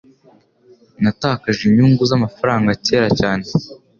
Natakaje inyungu zamafaranga kera cyane.